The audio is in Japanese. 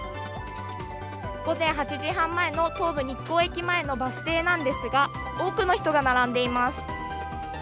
午前８時半前の東武日光駅前のバス停なんですが多くの人が並んでいます。